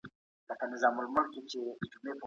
خوشحال خان د شهباز خان زوی و